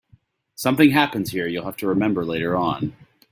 Something happens here you'll have to remember later on.